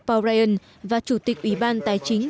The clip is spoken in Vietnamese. paul ryan và chủ tịch ủy ban tài chính